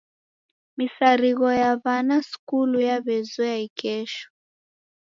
Misarigho ya w'ana sukulu raw'ezoya ikesho.